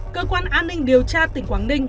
cơ quan an ninh điều tra tỉnh quảng ninh